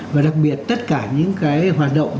và đặc biệt tất cả những cái hoạt động